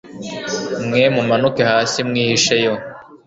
mwe mumanuke hasi mwihisheyo